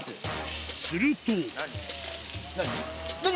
すると何？